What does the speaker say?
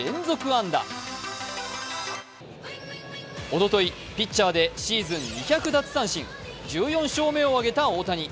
おととい、ピッチャーでシーズン２００奪三振、１４勝目を挙げた大谷。